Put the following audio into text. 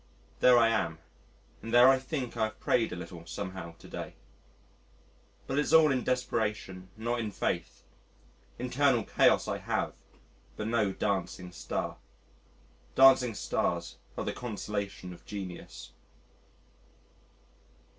There I am and there I think I have prayed a little somehow to day. But it's all in desperation, not in faith. Internal chaos I have, but no dancing star. Dancing stars are the consolation of genius.